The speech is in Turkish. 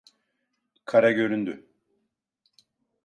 Kara göründü!